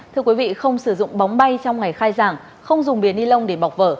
thưa quý vị không sử dụng bóng bay trong ngày khai giảng không dùng bìa ni lông để bọc vở